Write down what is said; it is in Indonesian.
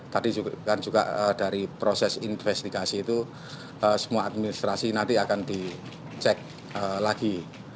tadi kan juga dari proses investigasi itu semua administrasi nanti akan dicek lagi